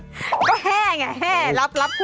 ก็แฮ่ไงแฮ่รับคุณ